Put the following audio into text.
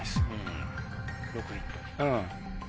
うん。